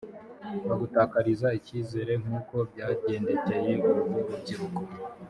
bagutakariza icyizere nk uko byagendekeye urwo rubyiruko